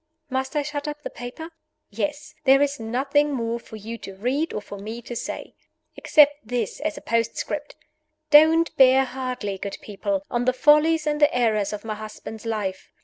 Must I shut up the paper? Yes. There is nothing more for you to read or for me to say. Except this as a postscript. Don't bear hardly, good people, on the follies and the errors of my husband's life.